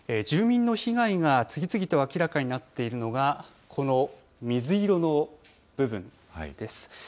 住民の被害が次々と明らかになっているのがこの水色の部分です。